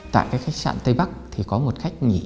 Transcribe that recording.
tại cái khách sạn tây bắc thì có một khách nghỉ